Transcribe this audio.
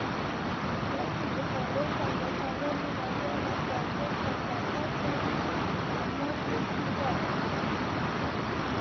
که چا د خوړو پیدا کولو لپاره ځنګل ته سفر کاوه حمله پرې کېده